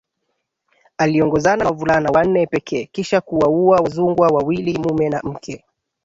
Aliongozana na wavulana wanne pekee kisha kuwauwa Wazungwa wawili mume na mke